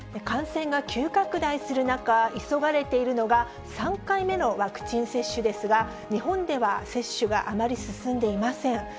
感染が急拡大する中、急がれているのが３回目のワクチン接種ですが、日本では接種があまり進んでいません。